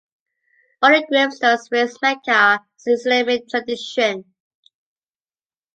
All the gravestones face Mecca in the Islamic tradition.